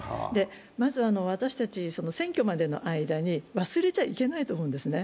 まず私たち選挙までの間に忘れちゃいけないと思うんですね。